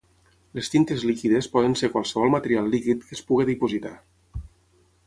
Les tintes líquides poden ser qualsevol material líquid que es pugui dipositar.